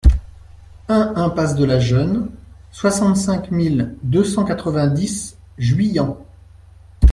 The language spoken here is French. un impasse de la Geune, soixante-cinq mille deux cent quatre-vingt-dix Juillan